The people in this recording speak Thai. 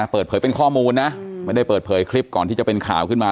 เปิดเผยเป็นข้อมูลนะไม่ได้เปิดเผยคลิปก่อนที่จะเป็นข่าวขึ้นมา